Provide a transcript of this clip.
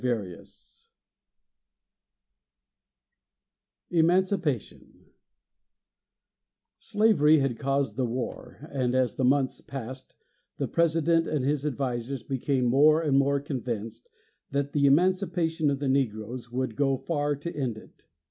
CHAPTER VII EMANCIPATION Slavery had caused the war, and as the months passed, the President and his advisers became more and more convinced that the emancipation of the negroes would go far to end it.